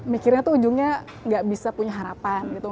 mikirnya tuh ujungnya gak bisa punya harapan gitu